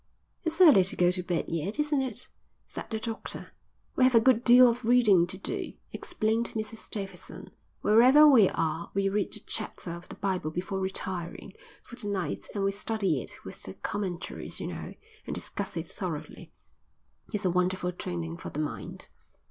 "It's early to go to bed yet, isn't it?" said the doctor. "We have a good deal of reading to do," explained Mrs Davidson. "Wherever we are, we read a chapter of the Bible before retiring for the night and we study it with the commentaries, you know, and discuss it thoroughly. It's a wonderful training for the mind."